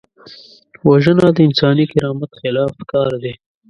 وژنه د انساني کرامت خلاف کار دی